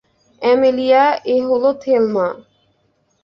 Amelia, এ হলো Thelma.